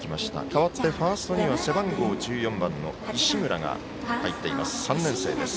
代わってファーストには背番号１４番の石村が入っています。